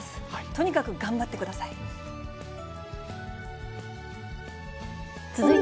とにかく頑張ってください。